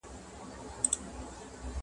خو چي راغلې پر موږ کرونا ده؛